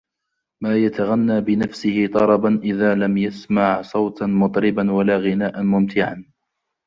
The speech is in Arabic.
مَا يَتَغَنَّى بِنَفْسِهِ طَرَبًا إذَا لَمْ يَسْمَعْ صَوْتًا مُطْرِبًا وَلَا غِنَاءً مُمْتِعًا